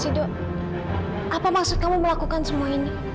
sido apa maksud kamu melakukan semua ini